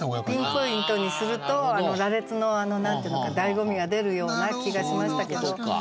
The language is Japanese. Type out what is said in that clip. ピンポイントにすると羅列の何て言うのかだいご味が出るような気がしましたけど。